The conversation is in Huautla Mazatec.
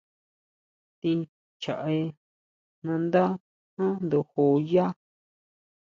Tʼín chjaʼé nandá jan ndojo yá.